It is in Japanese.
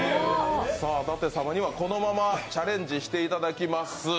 舘様にはこのままチャレンジしていただきます。